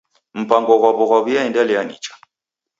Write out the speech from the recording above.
Mpango ghwaw'o ghwaw'iaendelia nicha.